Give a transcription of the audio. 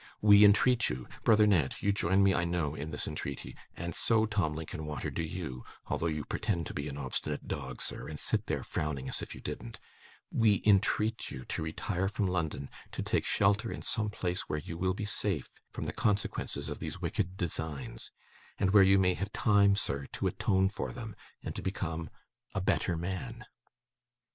We entreat you brother Ned, you join me, I know, in this entreaty, and so, Tim Linkinwater, do you, although you pretend to be an obstinate dog, sir, and sit there frowning as if you didn't we entreat you to retire from London, to take shelter in some place where you will be safe from the consequences of these wicked designs, and where you may have time, sir, to atone for them, and to become a better man.